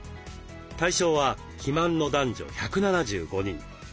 対象は肥満の男女１７５人。